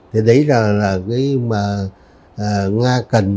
thì đấy là cái mà nga cần